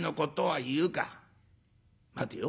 待てよ。